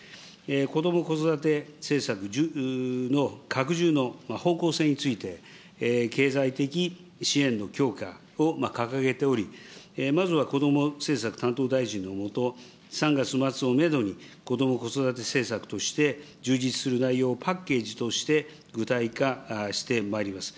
こども・子育て政策の、拡充の方向性について、経済的支援の強化を掲げており、まずはこども政策担当大臣の下、３月末をメドに、こども・子育て政策として充実する内容をパッケージとして具体化してまいります。